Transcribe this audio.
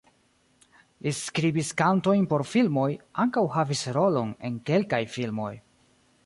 Li skribis kantojn por filmoj, ankaŭ havis rolon en kelkaj filmoj.